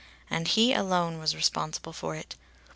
And he alone was responsible for it.